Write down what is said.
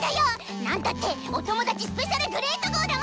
なんたっておともだちスペシャルグレート号だもん！